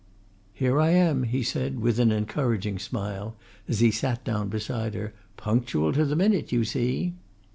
"Here I am!" he said, with an encouraging smile, as he sat down beside her. "Punctual to the minute, you see!"